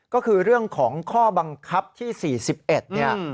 ก็คือเรื่องของข้อบังคับที่๔๑เนี่ย